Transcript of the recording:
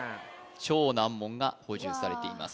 超難問が補充されています